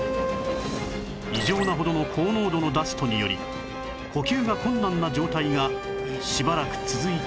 異常なほどの高濃度のダストにより呼吸が困難な状態がしばらく続いたという